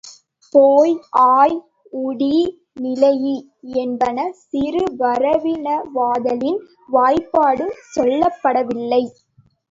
போய், ஆய், உடீஇ, நிலைஇ என்பன சிறு வரவினவாதலின் வாய்பாடு சொல்லப்படவில்லை.